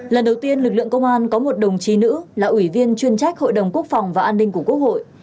lần đầu tiên lực lượng công an có một đồng chí nữ là ủy viên chuyên trách hội đồng quốc phòng và an ninh của quốc hội